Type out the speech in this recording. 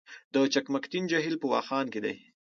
د چقمقتین جهیل په واخان کې دی